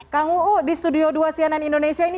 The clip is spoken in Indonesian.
kang uu di studio dua cnn indonesia ini